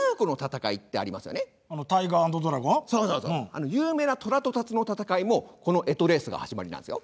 あの有名なトラとタツの戦いもこの干支レースが始まりなんですよ。